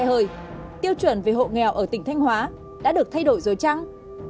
tuy nhiên tiêu chuẩn về hộ nghèo ở tỉnh thanh hóa đã được thay đổi rồi chăng